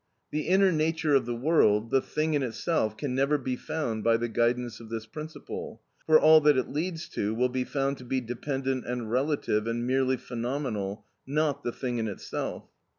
The inner nature of the world, the thing in itself can never be found by the guidance of this principle, for all that it leads to will be found to be dependent and relative and merely phenomenal, not the thing in itself.